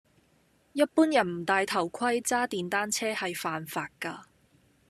一般人唔戴頭盔揸電單車係犯法㗎